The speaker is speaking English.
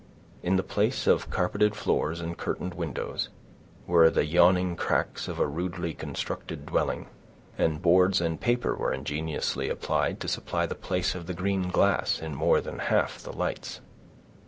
In the place of carpeted floors and curtained windows, were the yawning cracks of a rudely constructed dwelling, and boards and paper were ingeniously applied to supply the place of the green glass in more than half the lights.